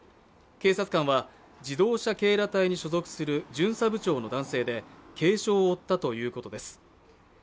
警察官は自動車警ら隊に所属する巡査部長の男性で、軽傷を負ったということです。